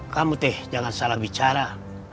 kamu jangan salah bicara